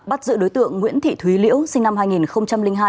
bắt giữ đối tượng nguyễn thị thúy liễu sinh năm hai nghìn hai